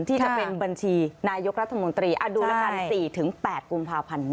ที่จะเป็นบัญชีนายกรัฐมนตรีดูแล้วกัน๔๘กุมภาพันธ์นี้